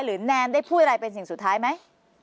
แนนได้พูดอะไรเป็นสิ่งสุดท้ายไหม